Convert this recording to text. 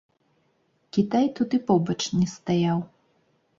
Кітай тут і побач не стаяў!